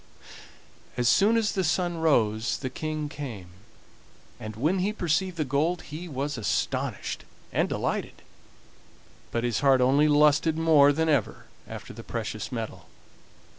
As soon as the sun rose the King came, and when he perceived the gold he was astonished and delighted, but his heart only lusted more than ever after the precious metal.